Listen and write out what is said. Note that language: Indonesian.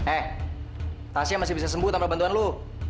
eh tasya masih bisa sembuh tanpa bantuan lu